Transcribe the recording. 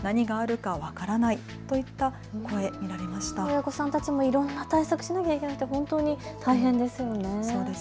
親御さんたちもいろんな対策しなきゃいけなくて本当に大変ですよね。